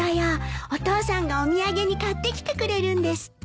お父さんがお土産に買ってきてくれるんですって。